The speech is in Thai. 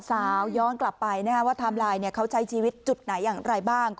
ย้อนกลับไปว่าไทม์ไลน์เขาใช้ชีวิตจุดไหนอย่างไรบ้าง